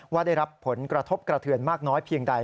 ว่าได้รับผลกระทบกระเทือนมากน้อยเพียงใด